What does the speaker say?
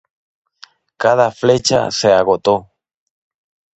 Cada fecha se agotó.